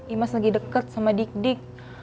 imas lagi deket sama dik dik